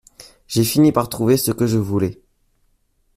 J’ai fini par trouver ce que je voulais.